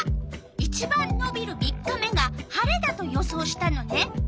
いちばんのびる３日目が晴れだと予想したのね。